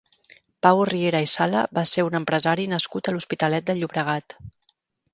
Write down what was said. Pau Riera i Sala va ser un empresari nascut a l'Hospitalet de Llobregat.